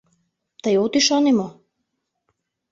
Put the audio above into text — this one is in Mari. Тый от ӱшане мо?